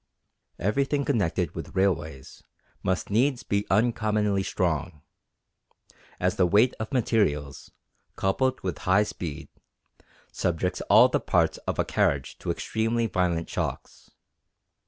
Everything connected with railways must needs be uncommonly strong, as the weight of materials, coupled with high speed, subjects all the parts of a carriage to extremely violent shocks.